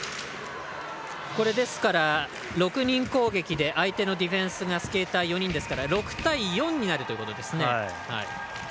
ですから、６人攻撃で相手のディフェンスがスケーター４人ですから６対４になるということですね。